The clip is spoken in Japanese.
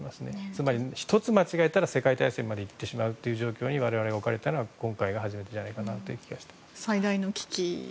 つまり、１つ間違えたら世界大戦にいってしまうという状況に我々置かれたのは今回が初めてかなという気がします。